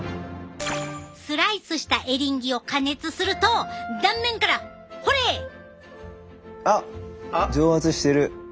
スライスしたエリンギを加熱すると断面からほれ！あっ蒸発してる。